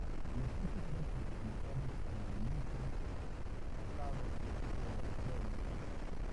Los coches eran comercializados como de lujo tasado como premium.